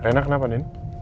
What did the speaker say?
rena kenapa nini